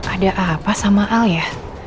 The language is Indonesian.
ada apa sama al ya